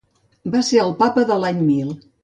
Va ser el Papa de l'any mil.